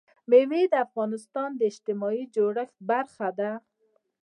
مېوې د افغانستان د اجتماعي جوړښت برخه ده.